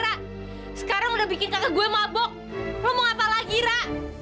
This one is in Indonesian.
rak sekarang udah bikin kakak gue mabok lo mau apa lagi rak